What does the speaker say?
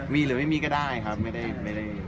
มีหรือไม่มีก็ได้ครับไม่ได้